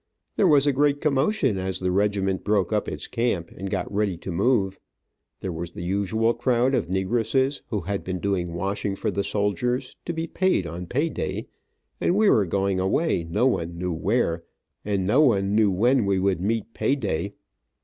There was a great commotion as the regiment broke up its camp and got ready to move. There was the usual crowd of negresses who had been doing washing for the soldiers, to be paid on pay day, and we were going away, no one knew where, and no one knew when we would meet pay day.